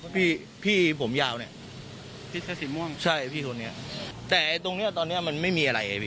พี่พี่ผมยาวเนี้ยพี่ใช่พี่ตอนเนี้ยแต่ตรงเนี้ยตอนเนี้ยมันไม่มีอะไรไงพี่